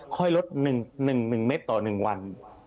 ค่อยลด๑๑เมตรต่อ๑วัน